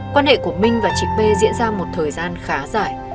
quan hệ của minh và chị p diễn ra một thời gian khá dài